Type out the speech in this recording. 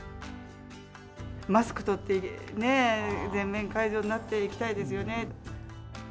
マスク取ってね、全面解除になって、行きたいですよね。